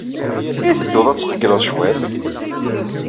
I tedduḍ ad tqeyyleḍ cwiṭ?